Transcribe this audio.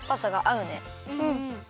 うん。